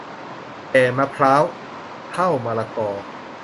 แก่มะพร้าว เฒ่ามะละกอ